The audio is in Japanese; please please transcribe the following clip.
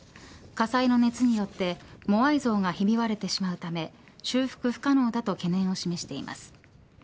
火災の熱によってモアイ像がひび割れてしまうため修復不可能だと懸念を示しています。